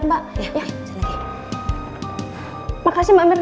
mbak mirna resmi dihubungin